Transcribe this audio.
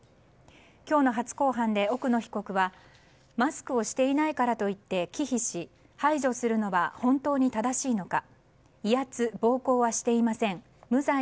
今日の初公判で奥野被告はマスクをしていないからといって忌避し、排除するのは本当に正しいのか。